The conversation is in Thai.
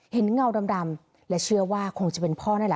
เงาดำและเชื่อว่าคงจะเป็นพ่อนั่นแหละ